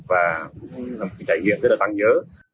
và một cái trải nghiệm rất là tặng nhớ